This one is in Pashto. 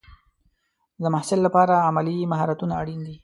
د محصل لپاره عملي مهارتونه اړین دي.